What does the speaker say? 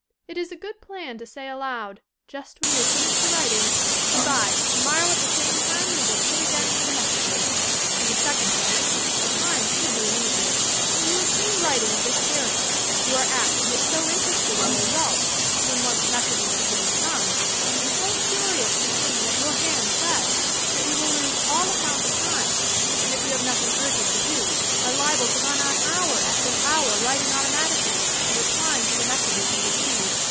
It is a good plan to say aloud, just when you have finished the writing: "Good bye, tomorrow at the same time we will sit again for the messages!" In the second place the time should be limited. When you obtain writing of this character you are apt to get BO interested in the results, when once messages begin to come, and so curious in seeing what your hand says, that you will lose all account of time, and, if you have nothing urgent to do, are liable to run on hour after hour writing automatically and replying to the messages you receive.